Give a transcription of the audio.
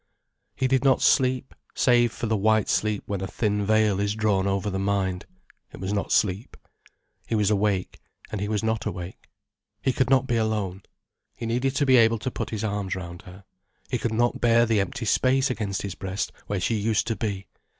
He did not sleep, save for the white sleep when a thin veil is drawn over the mind. It was not sleep. He was awake, and he was not awake. He could not be alone. He needed to be able to put his arms round her. He could not bear the empty space against his breast, where she used to be.